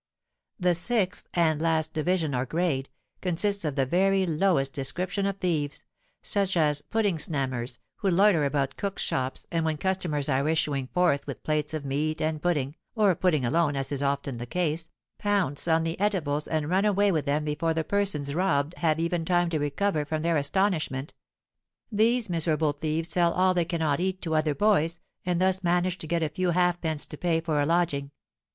The sixth, and last division or grade, consists of the very lowest description of thieves—such as pudding snammers, who loiter about cooks' shops, and when customers are issuing forth with plates of meat and pudding, or pudding alone (as is often the case), pounce on the eatables and run away with them before the persons robbed have even time to recover from their astonishment. These miserable thieves sell all they cannot eat, to other boys, and thus manage to get a few halfpence to pay for a lodging.